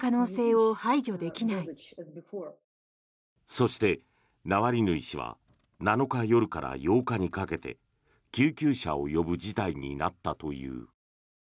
そして、ナワリヌイ氏は７日夜から８日にかけて救急車を呼ぶ事態になったという。